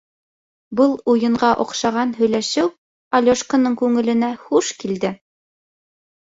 Был уйынға оҡшаған һөйләшеү Алёшканың күңеленә хуш килде.